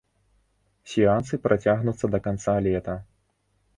Сеансы працягнуцца да канца лета.